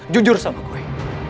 jujur sama gue